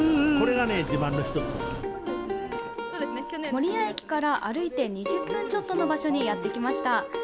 守谷駅から歩いて２０分ちょっとの場所にやってきました。